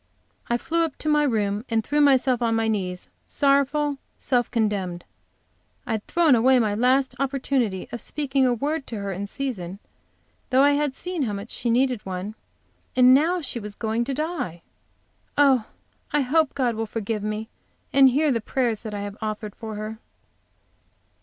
I flew up to my room and threw myself on my knees, sorrowful, self condemned. I had thrown away my last opportunity of speaking a word to her in season, though I had seen how much she needed one, and now she was going to die! Oh, I hope God will forgive me, and hear the prayers I have offered her!